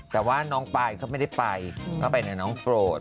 แต่ว่าน้องปายเขาไม่ได้ไปเข้าไปในน้องโปรด